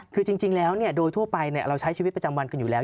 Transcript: คือจริงแล้วโดยทั่วไปเราใช้ชีวิตประจำวันกันอยู่แล้ว